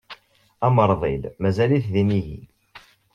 Amerḍil mazal-it d inigi.